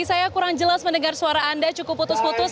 saya kurang jelas mendengar suara anda cukup putus putus